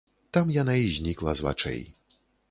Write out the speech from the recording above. Там яна і знікла з вачэй.